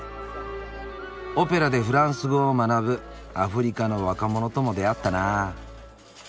オペラでフランス語を学ぶアフリカの若者とも出会ったなあ。